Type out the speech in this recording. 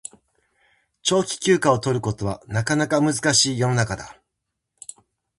長期休暇を取ることはなかなか難しい世の中だ